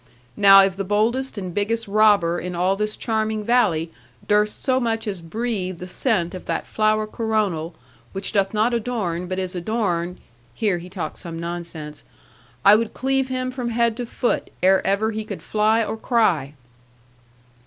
Now if the boldest and biggest robber in all this charming valley durst so much as breathe the scent of that flower coronal, which doth not adorn but is adorned" here he talked some nonsense "I would cleave him from head to foot, ere ever he could fly or cry."